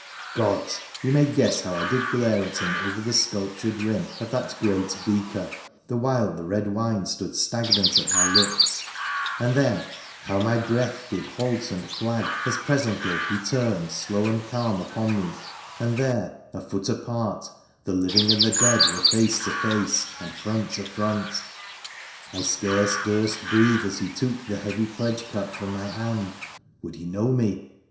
Gods ! you may guess how I did glare at him over the sculptured rim of that great beaker, the while the red wine stood stagnant at my lips — and then how my breath did halt and flag as presently he turned slow and calm upon me, and there — a foot apart— the living and the dead were face to face, and front to front ! I scarce durst breathe as he took the heavy pledge cup from my hand — would he know me